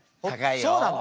そうなの。